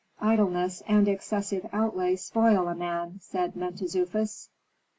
"Idleness and excessive outlay spoil a man," said Mentezufis.